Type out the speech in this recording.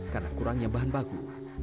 karena kurangnya bahan baku